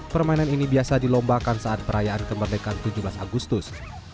permainan ini biasa dilombakan saat perayaan kemerdekaan tujuh belas agustus